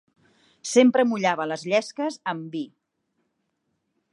Sempre mullava les llesques amb vi.